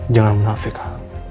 jangan menafi kak